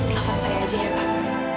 telepon saya aja ya pak